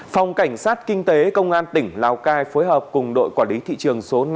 phòng cảnh sát kinh tế công an tỉnh lào cai phối hợp cùng đội quản lý thị trường số năm